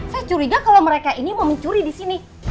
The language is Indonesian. saya curiga kalau mereka ini mau mencuri disini